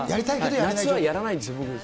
夏はやらないんですよ。